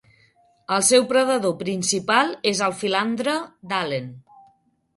El seu predador principal és el filandre d'Allen.